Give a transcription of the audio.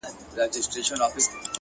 o جرس فرهاد زما نژدې ملگرى؛